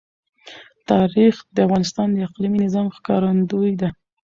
تاریخ د افغانستان د اقلیمي نظام ښکارندوی ده.